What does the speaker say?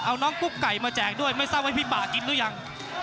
เอาน้องปุ๊กไก่มาแจกด้วยไม่ทราบว่าพี่ป่ากินหรือยัง